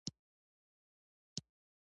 ماشومان هغه ځای کې پاتې کېږي چې مینه وي.